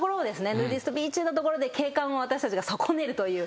ヌーディストビーチの所で景観を私たちが損ねるという。